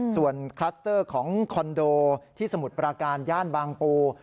ส่วนคลัสเตอร์ของคอนโดที่สมุทรปราการย่านบางปู